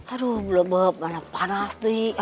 aduh mabuk banget panas